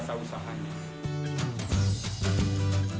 seiring dengan dijalankannya protokol covid sembilan belas